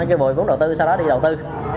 kêu gọi vốn đầu tư sau đó đi đầu tư